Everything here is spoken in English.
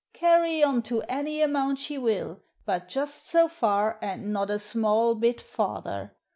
Carry on to any amount she will ; but just so far, and not a small bit farther.